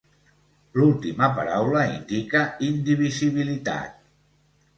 L'última paraula indica indivisibilitat.